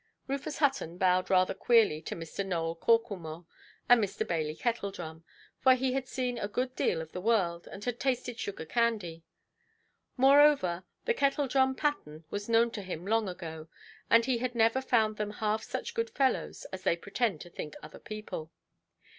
Rufus Hutton bowed rather queerly to Mr. Nowell Corklemore and Mr. Bailey Kettledrum; for he had seen a good deal of the world, and had tasted sugar–candy. Moreover, the Kettledrum pattern was known to him long ago; and he had never found them half such good fellows as they pretend to think other people.